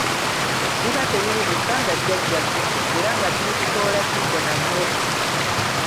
Liba teriri busa, nga Jjajja agguse era nga tuli butoola kibbo na mmere.